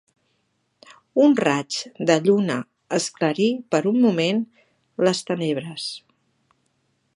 Un raig de lluna esclarí per un moment les tenebres.